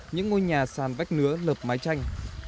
những ngôi nhà sàn vách nứa lợp mái chanh